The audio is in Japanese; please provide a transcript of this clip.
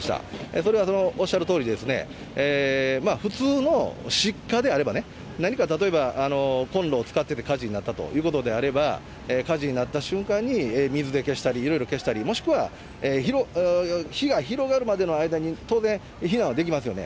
それはそのおっしゃるとおり、普通の失火であれば、何か例えばコンロを使ってて火事になったということであれば、火事になった瞬間に水で消したり、いろいろ消したり、火が広がるまでの間に当然、避難できますよね。